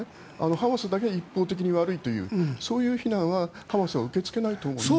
ハマスだけ一方的に悪いというそういう非難はハマスは受け付けないと思います。